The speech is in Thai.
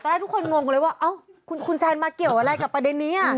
แรกทุกคนงงกันเลยว่าคุณแซนมาเกี่ยวอะไรกับประเด็นนี้